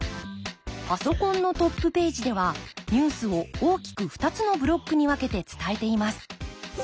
パソコンのトップページではニュースを大きく２つのブロックに分けて伝えています。